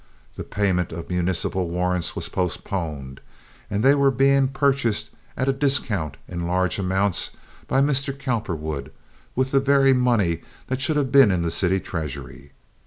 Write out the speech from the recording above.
The payment of municipal warrants was postponed, and they were being purchased at a discount in large amounts by Mr. Cowperwood with the very money that should have been in the city treasury.